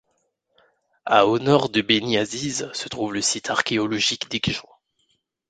À au nord de Beni Aziz se trouve le site archéologique d'Ikjan.